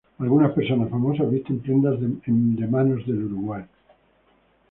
Algunas personas famosas visten prendas de Manos del Uruguay.